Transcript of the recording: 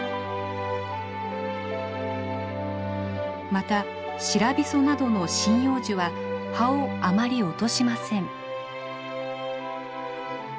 またシラビソなどの針葉樹は葉をあまり落としません。